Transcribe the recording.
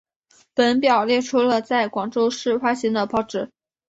本表列出了在广州市发行的报纸。